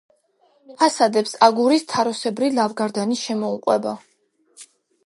ფასადებს აგურის თაროსებრი ლავგარდანი შემოუყვება.